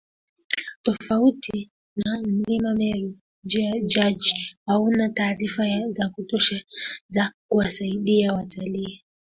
Tofauti na Mlima Meru Jaeger hauna taarifa za kutosha za kuwasaidia watalii